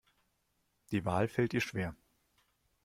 Die Wahl fällt ihr schwer.